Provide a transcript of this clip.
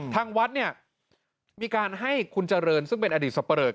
ทางวัดเนี่ยมีการให้คุณเจริญซึ่งเป็นอดีตสับปะเลอ